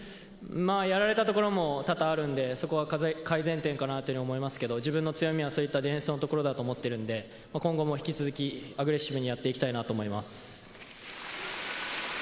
やられたところも多々あるんで、そこは改善点かなと思いますけど、自分の強みはディフェンスだと思っているので、今後もアグレッシブにやっていきたいなと思います。